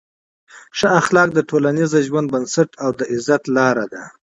ښه اخلاق د ټولنیز ژوند بنسټ او د عزت لار ده.